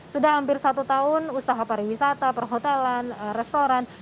sudah hampir satu tahun usaha pariwisata perhotelan restoran